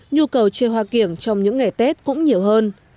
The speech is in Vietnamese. nhu cầu chơi hoa kiểng trong những ngày tết cũng nhiều hơn